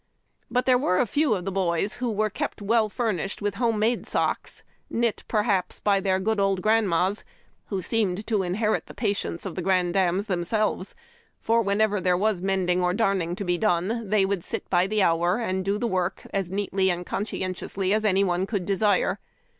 But there were a few^ of the boys who were kept furnished with home made socks, knit, per haps, by their good old grand mas, who seemed to inherit the patience of the grandams themselves; for, whenever there was mending or darning to be done, they would sit by the hour, and do the work as neatly and conscientiously as any one could desire.